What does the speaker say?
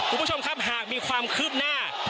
คุณผู้ชมครับหากมีความคืบหน้า